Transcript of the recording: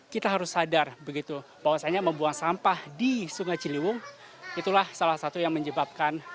kita harus sadar begitu bahwasannya membuang sampah di sungai ciliwung itulah salah satu yang menyebabkan